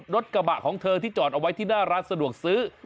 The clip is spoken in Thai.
รถกระบะของเธอที่จอดเอาไว้ที่หน้าร้านสะดวกซื้อ